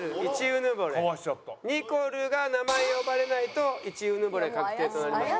ニコルが名前呼ばれないと１うぬぼれ確定となります。